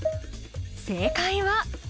正解は？